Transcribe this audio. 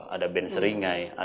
ada band seringai